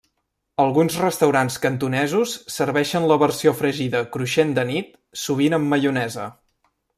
Alguns restaurants cantonesos serveixen la versió fregida cruixent de nit, sovint amb maionesa.